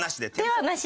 手はなし！？